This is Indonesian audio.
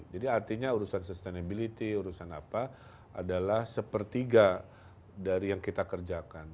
jadi artinya urusan sustainability urusan apa adalah sepertiga dari yang kita kerjakan